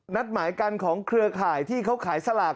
นัดหมายกันของเครือข่ายที่เขาขายสลาก